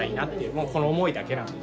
もうこの思いだけなので。